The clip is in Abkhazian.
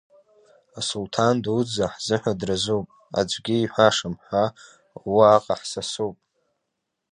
Асулҭан дуӡӡа, ҳзыҳәа дразуп, аӡәгьы иҳәашам ҳа уаҟа ҳсасуп.